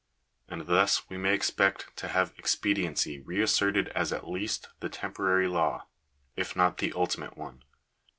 And thus may we expect to have expediency re asserted as at least the temporary law, if not the ultimate one.